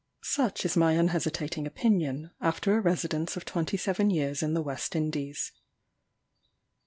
Such is my unhesitating opinion, after a residence of twenty seven years in the West Indies.